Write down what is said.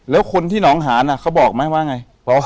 บางคนที่น้องห่านอะเขาบอกมาไง